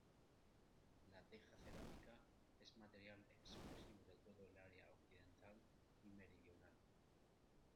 La teja cerámica es material exclusivo de toda el área occidental y meridional.